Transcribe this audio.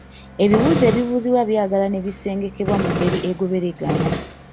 Ebibuuzo ebibuuzibwa byagala ne bisengekebwa mu ngeri egoberegana.